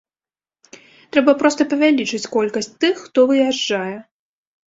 Трэба проста павялічыць колькасць тых, хто выязджае.